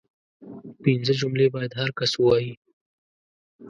پنځه جملې باید هر کس ووايي